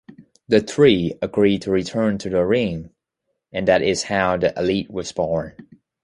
The three agreed to return to the ring and that is how The Elite was born.